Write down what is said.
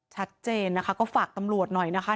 ชัดเจนนะคะก็ฝากตำรวจหน่อยนะคะ